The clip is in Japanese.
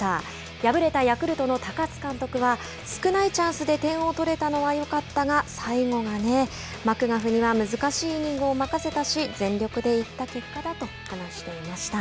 敗れたヤクルトの高津監督は少ないチャンスで点を取れたのはよかったが最後がねマクガフには難しいイニングを任せたし全力で行った結果だと話していました。